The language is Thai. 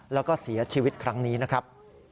แล้วก็เสียชีวิตครั้งนี้นะครับ